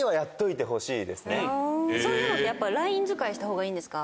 そういうのやっぱりライン使いしたほうがいいんですか？